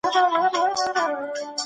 که مشر ښه وي ټولنه اصلاح کیږي.